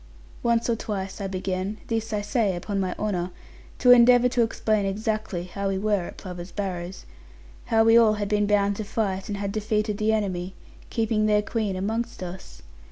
Once or twice, I began this I say upon my honour to endeavour to explain exactly, how we were at Plover's Barrows; how we all had been bound to fight, and had defeated the enemy, keeping their queen amongst us.